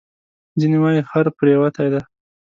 ځینې وایي خر پرېوتی دی.